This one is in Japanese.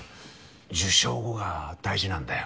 受賞後が大事なんだよ。